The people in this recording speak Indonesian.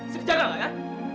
sedih cakap gak ya